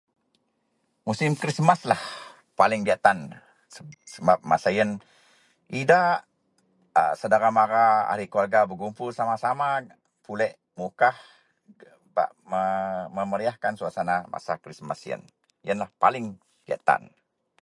Musim Krismas lah paling diyak tan sebab masa iyen idak a saudara mara ahli keluarga bergumpul sama-sama pulek Mukah bak memer memeriahkan suasana masa Krismas. Iyenah paling diyak tan.